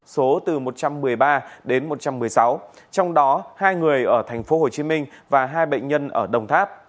số từ một trăm một mươi ba đến một trăm một mươi sáu trong đó hai người ở tp hcm và hai bệnh nhân ở đồng tháp